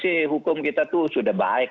sih hukum kita itu sudah baik